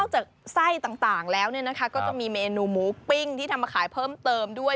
จากไส้ต่างแล้วก็จะมีเมนูหมูปิ้งที่ทำมาขายเพิ่มเติมด้วย